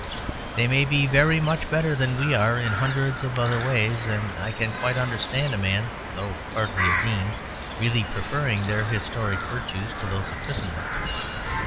They may be very much better than we are in hundreds of other ways; and I can quite understand a man (though hardly a Dean) really preferring their historic virtues to those of Christendom.